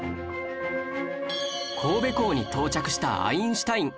神戸港に到着したアインシュタイン